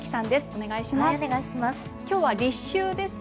お願いします。